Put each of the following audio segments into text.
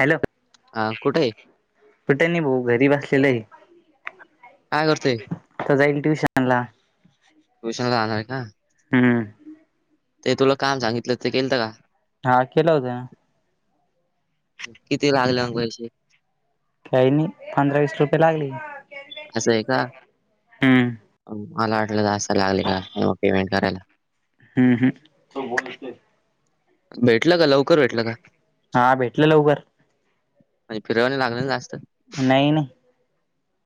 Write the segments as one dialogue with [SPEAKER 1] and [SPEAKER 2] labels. [SPEAKER 1] Hello!
[SPEAKER 2] हा कुठे आहे?
[SPEAKER 1] कुठे नाही, भाऊ घरी बसलेलं आहे. काय करतोय मग? आता जाईल ट्युशन ला.
[SPEAKER 2] ट्यूशन जाणार ये का?
[SPEAKER 1] हम्म,
[SPEAKER 2] ते तुला काम सांगितलं ते केलत का?
[SPEAKER 1] हा, केल होत ना.
[SPEAKER 2] किती लागले मग पैसे
[SPEAKER 1] काही नाही पंधरा वीस रुपये लागले.
[SPEAKER 2] असं आहे का,
[SPEAKER 1] हम्म
[SPEAKER 2] मला वाटलं जास्त लागले का पेमेंट करायला.
[SPEAKER 1] ह ह.
[SPEAKER 2] भेटलं का लवकर भेटलं का?
[SPEAKER 1] हा भेटलं लवकर
[SPEAKER 2] नाही, फिरवायला लागलं ना जास्त.
[SPEAKER 1] नाही नाही.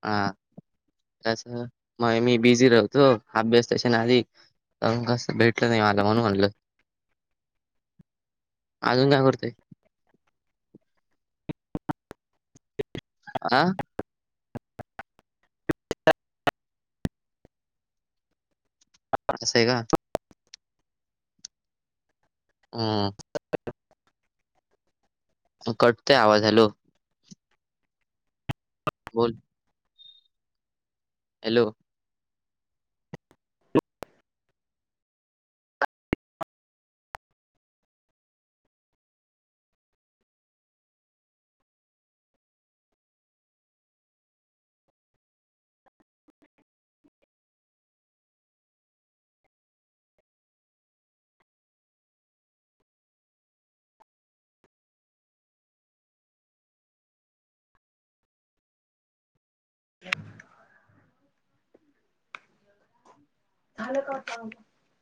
[SPEAKER 2] हा कसं मग मी बिझी राहतो, अभ्यास ट्युशन आधी अण कसं भेटलं नाही, मला म्हणून म्हणलं. अजून काय करतोय? आह, असयं का ह. तो कटतोय आवाज बोल हॅलो
[SPEAKER 1] [inaudible] झालं का आता